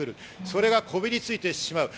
それがこびりついてしまう。